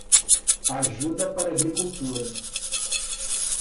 Ajuda para agricultura